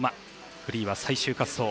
フリーは最終滑走。